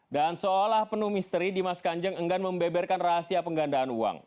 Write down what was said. dan seolah penuh misteri dimas kanjeng enggan membeberkan rahasia penggandaan uang